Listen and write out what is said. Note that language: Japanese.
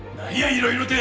いろいろて！